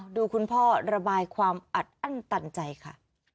ดูคุณพ่อระบายความอัดอั้นตันใจค่ะ